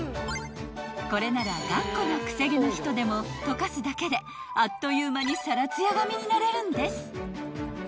［これなら頑固な癖毛の人でもとかすだけであっという間にサラツヤ髪になれるんです］